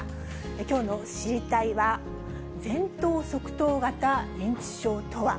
きょうの知りたいッ！は、前頭側頭型認知症とは。